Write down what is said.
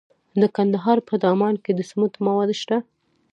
د کندهار په دامان کې د سمنټو مواد شته.